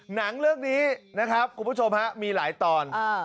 หนังเรื่องนี้นะครับคุณผู้ชมฮะมีหลายตอน